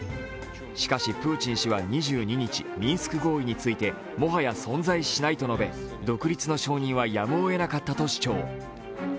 しかしプーチン氏は２２日、ミンスク合意についてもはや存在しないと述べ、独立の承認はやむをえなかったと主張。